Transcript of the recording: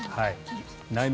内面